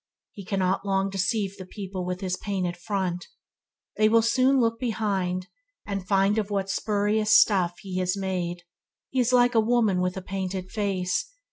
He cannot long deceive the people with his painted front. They will soon look behind, and find of what spurious stuff he is made. He is like a woman with a painted face.